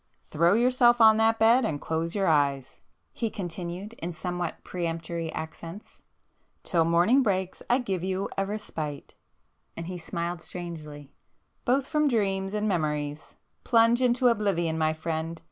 "Throw yourself on that bed and close your eyes,"—he continued in somewhat peremptory accents—"Till morning breaks I give you a respite,—" and he smiled strangely—"both from dreams and memories! Plunge into Oblivion, my friend!